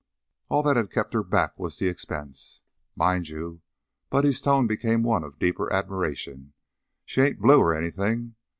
All that had kep' her back was the expense. Mind you" Buddy's tone became one of deeper admiration "she ain't blue, or anything.